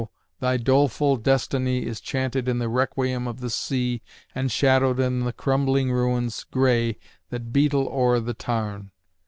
thy doleful destiny Is chanted in the requiem of the sea And shadowed in the crumbling ruins gray That beetle o'er the tarn.